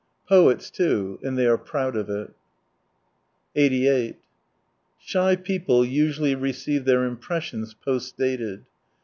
Poets too : and they are proud of it. 88 Shy people usually receive their impres sions post dated.